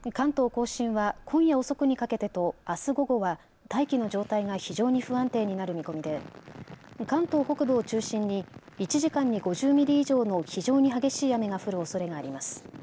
甲信は今夜遅くにかけてとあす午後は大気の状態が非常に不安定になる見込みで関東北部を中心に１時間に５０ミリ以上の非常に激しい雨が降るおそれがあります。